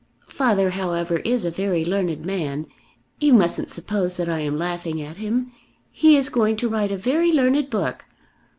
Father however is a very learned man. You mustn't suppose that I am laughing at him. He is going to write a very learned book.